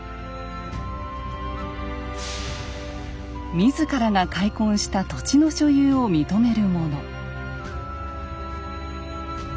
自らが開墾した土地の所有を認めるもの。